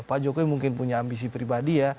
pak jokowi mungkin punya ambisi pribadi ya